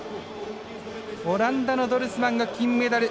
オランダのドルスマンが金メダル。